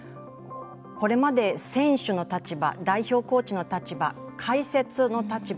これまで選手の立場代表コーチの立場、解説の立場